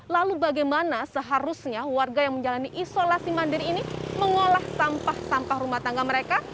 lalu bagaimana seharusnya warga yang menjalani isolasi mandiri ini mengolah sampah sampah rumah tangga mereka